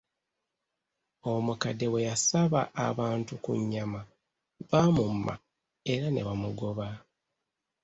Omukadde bwe yasaba abantu ku nnyama, baamumma era ne bamugoba.